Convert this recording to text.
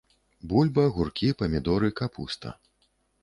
Бульба, гуркі, памідоры, капуста.